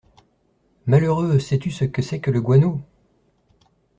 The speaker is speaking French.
Malheureux, sais-tu ce que c’est que le guano ?